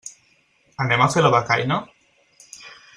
Anem a fer la becaina?